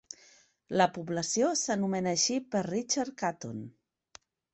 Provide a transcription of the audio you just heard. La població s'anomena així per Richard Caton.